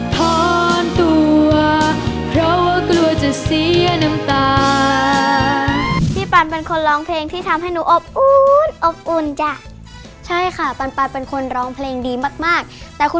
ท้อนตัวเพราะว่ากลัวจะเสียน้ำตา